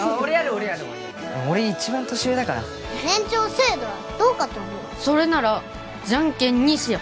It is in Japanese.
俺やる俺一番年上だから年長制度はどうかと思うそれならジャンケンにしよう